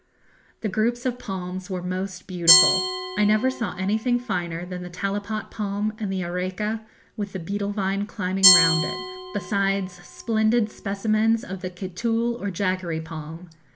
The groups of palms were most beautiful. I never saw anything finer than the tallipot palm, and the areca, with the beetle vine climbing round it; besides splendid specimens of the kitool or jaggery palm.